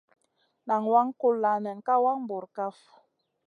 Nan waŋ kulla nen ka wang bura kaf.